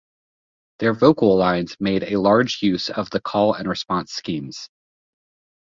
Their vocal lines made a large use of the call and response schemes.